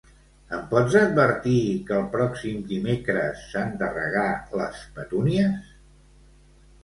Em pots advertir que el pròxim dimecres s'han de regar les petúnies?